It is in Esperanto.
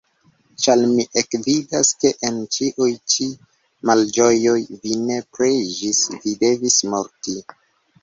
Ĉar mi ekvidas, ke en ĉiuj-ĉi malĝojoj vi ne preĝis, vi devis morti.